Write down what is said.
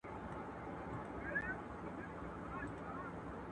هغه وخت چې زده کړه دوام ولري، پرمختګ نه درېږي.